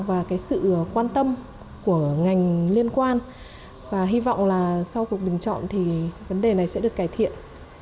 và sự quan tâm của ngành liên quan và hy vọng là sau cuộc bình chọn thì vấn đề này sẽ được cải thiện